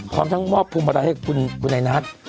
ควรมอบภูมิมากับคุณในนัท